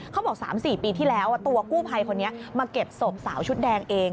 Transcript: เขาบอก๓๔ปีที่แล้วตัวกู้ภัยคนนี้มาเก็บศพสาวชุดแดงเอง